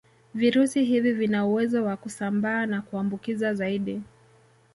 Virusi hivi vina uwezo wa kusambaa na kuambukiza zaidi